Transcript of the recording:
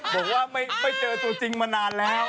บอกว่าไม่เจอตัวจริงมานานแล้ว